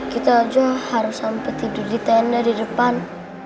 kita aja harus sampai tidur di tenda di depan